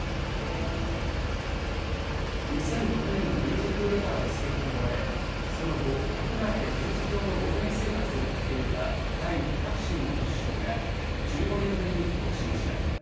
２００６年の軍事クーデターで政権を追われその後、国外で事実上の亡命生活を送っていたタイのタクシン元首相が１５年ぶりに帰国しました。